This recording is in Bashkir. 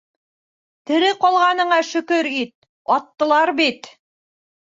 Тере ҡалғаныңа шөкөр ит: аттылар бит.